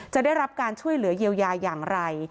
ได้รับการช่วยเหลือเยียวยาอย่างไร